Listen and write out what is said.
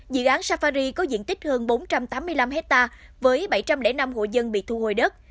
dự án safari có diện tích hơn bốn trăm tám mươi năm hectare với bảy trăm linh năm hộ dân bị thu hồi đất